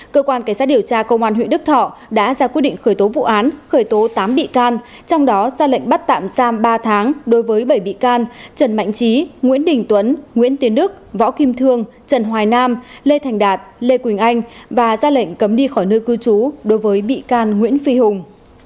cơ quan cảnh sát điều tra công an huyện đức thọ đã ra quyết định khởi tố vụ án khởi tố tám bị can trong đó ra lệnh bắt tạm giam ba tháng đối với bảy bị can trần mạnh trí nguyễn đình tuấn nguyễn tiến đức võ kim thương trần hoài nam lê thành đạt lê quỳnh anh và ra lệnh cấm đi khỏi nơi cư trú đối với bị can nguyễn phi hùng